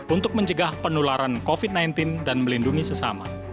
untuk mencegah penularan covid sembilan belas dan melindungi sesama